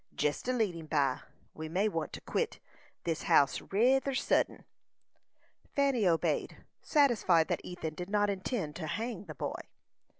"Jest to lead him by. We may want to quit this house reyther suddin." Fanny obeyed, satisfied that Ethan did not intend to hang the boy.